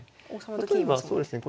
例えばそうですね